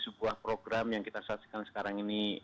sebuah program yang kita saksikan sekarang ini